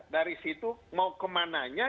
dari situ mau ke mananya